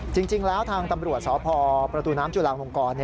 จริงแล้วทางตำรวจสพประตูน้ำจุลาลงกร